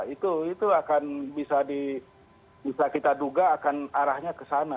itu akan bisa kita duga akan arahnya ke sana